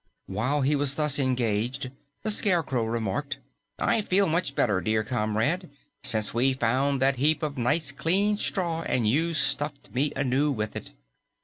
While he was thus engaged, the Scarecrow remarked, "I feel much better, dear comrade, since we found that heap of nice, clean straw and you stuffed me anew with it."